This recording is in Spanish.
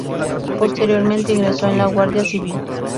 Posteriormente ingresó en la Guardia Civil.